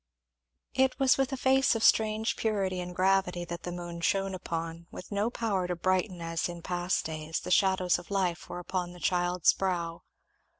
It was a face of strange purity and gravity that the moon shone upon, with no power to brighten as in past days; the shadows of life were upon the child's brow.